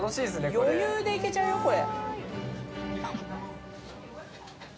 余裕でいけちゃうよ、これ。